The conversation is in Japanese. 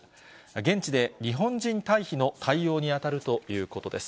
現地で日本人退避の対応に当たるということです。